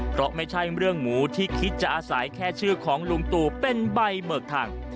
เพราะไม่ใช่เรื่องหมูที่คิดจะอาศัยแค่ชื่อของลุงตู่เป็นใบเบิกทาง